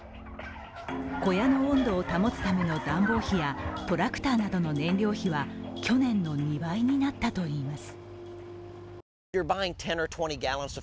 小屋の温度を保つための暖房費やトラクターなどの燃料費は去年の２倍になったといいます。